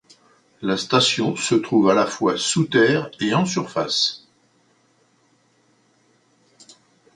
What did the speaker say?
La station se trouve à la fois sous-terre et en surface.